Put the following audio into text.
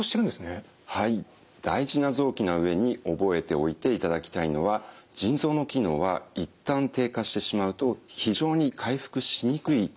はい大事な臓器な上に覚えておいていただきたいのは腎臓の機能は一旦低下してしまうと非常に回復しにくい特徴があります。